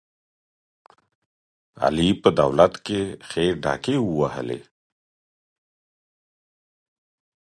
علي په دولت کې ښې ډاکې ووهلې.